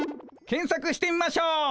検索してみましょう。